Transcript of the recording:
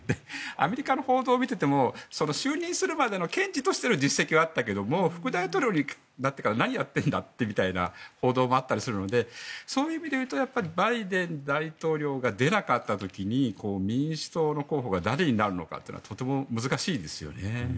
アメリカの報道を見ていても就任するまでの検事としての実績はあったけれども副大統領になってから何やってるんだっけという報道もあったりするのでそういう意味でいうとバイデン大統領が出なかった時に民主党の候補が誰になるのかというのはとても難しいですよね。